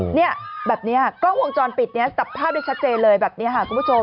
เนี่ยแบบนี้กล้องวงจรปิดเนี่ยจับภาพได้ชัดเจนเลยแบบนี้ค่ะคุณผู้ชม